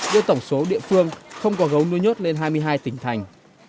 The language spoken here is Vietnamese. đưa tổng số địa phương không có gấu nuôi nhốt lên hai mươi hai tỉnh thành